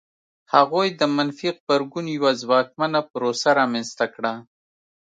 هغوی د منفي غبرګون یوه ځواکمنه پروسه رامنځته کړه.